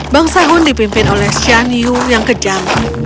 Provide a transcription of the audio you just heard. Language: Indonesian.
bangsa hun dipimpin oleh shan yu yang kejam